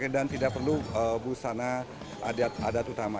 dan tidak perlu busana adat adat utama